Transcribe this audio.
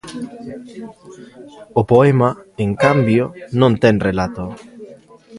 O poema, en cambio, non ten relato.